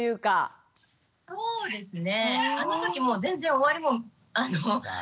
そうですね。